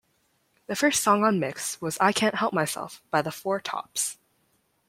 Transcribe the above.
The first song on "Mix" was "I Can't Help Myself" by The Four Tops.